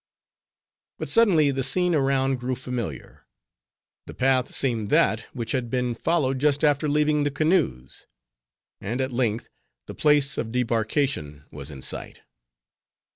But suddenly, the scene around grew familiar; the path seemed that which had been followed just after leaving the canoes; and at length, the place of debarkation was in sight.